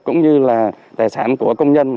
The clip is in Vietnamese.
cũng như tài sản của công nhân